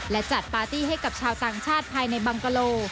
และจัดปาร์ตี้ให้กับชาวต่างชาติภายในบังกะโล